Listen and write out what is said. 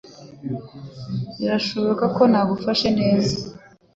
Kandi birashoboka ko ntagufashe neza